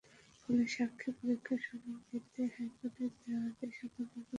ফলে সাক্ষী পরীক্ষায় সুযোগ দিতে হাইকোর্টের দেওয়া আদেশ আপাতত বহাল রইল।